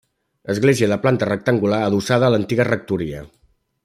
Església de planta rectangular, adossada a l'antiga rectoria.